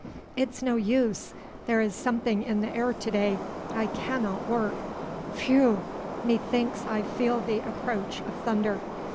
"It's no use ... there is something in the air to day. I cannot work.... Phew!... methinks I feel the approach of thunder."